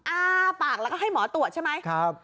อ้าปากแล้วก็ให้หมอตรวจใช่ไหม